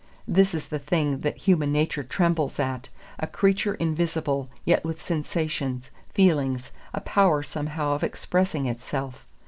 This is the thing that human nature trembles at, a creature invisible, yet with sensations, feelings, a power somehow of expressing itself.